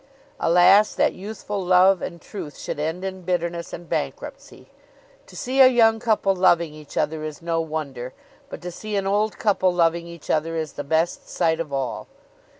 Alas that youthful love and truth should end in bitterness and bankruptcy! To see a young couple loving each other is no wonder; but to see an old couple loving each other is the best sight of all.